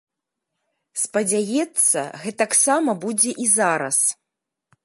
Спадзяецца, гэтаксама будзе і зараз.